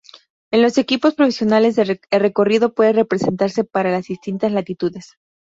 En los equipos profesionales el recorrido puede representarse para las distintas latitudes.